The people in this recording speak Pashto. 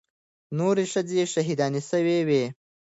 نورې ښځې شهيدانې سوې وې.